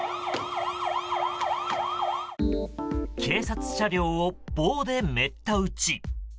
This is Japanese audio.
警察車両を棒で滅多打ち。